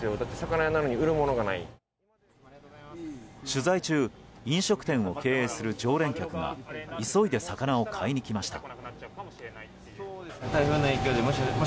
取材中飲食店を経営する常連客が急いで魚を買いに来ました。